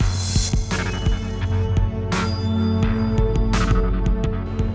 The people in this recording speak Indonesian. tapi kalau untuk masalah pangeran